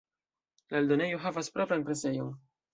La eldonejo havas propran presejon.